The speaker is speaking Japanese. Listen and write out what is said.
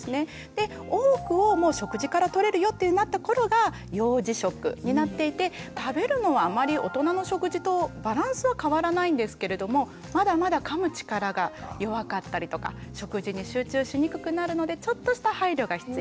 で多くをもう食事からとれるよってなった頃が幼児食になっていて食べるのはあまり大人の食事とバランスは変わらないんですけれどもまだまだかむ力が弱かったりとか食事に集中しにくくなるのでちょっとした配慮が必要。